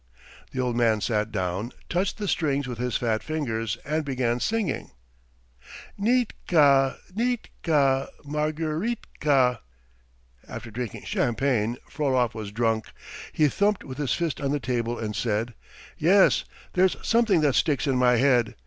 The old man sat down, touched the strings with his fat fingers, and began singing: "Neetka, neetka, Margareetka. ..." After drinking champagne Frolov was drunk. He thumped with his fist on the table and said: "Yes, there's something that sticks in my head!